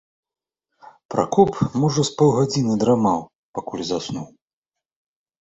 Пракоп можа з паўгадзіны драмаў, пакуль заснуў.